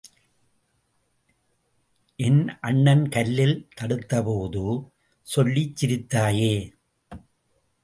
என் அண்ணன் கல்லில் தடுத்தபோது சொல்லிச் சிரித்தாயே!